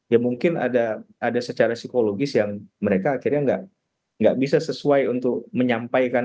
ya mungkin ada secara psikologis yang mereka akhirnya nggak bisa sesuai untuk menyampaikan